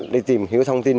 đi tìm hiểu thông tin